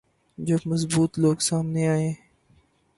جب مضبوط لوگ سامنے آئیں۔